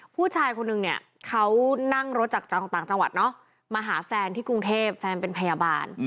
ผู้ชายคนนึงเนี่ยเขานั่งรถจากต่างจังหวัดเนาะมาหาแฟนที่กรุงเทพแฟนเป็นพยาบาล